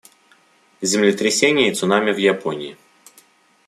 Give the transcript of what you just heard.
Землетрясение и цунами в Японии.